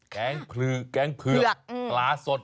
แกงเผือกปลาสด